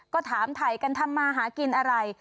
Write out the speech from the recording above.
ก็ถามถ่ายกันทำมาหากินอะไร